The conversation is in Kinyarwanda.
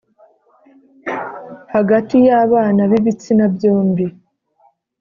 hagati y’abana b’ibitsina byombi.